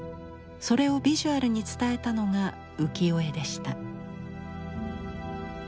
それをビジュアルに伝えたのが浮世絵でした。